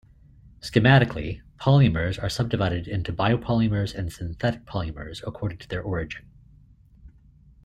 Schematically polymers are subdivided into biopolymers and synthetic polymers according to their origin.